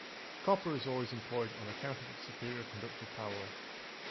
Copper is always employed on account of its superior conductive power.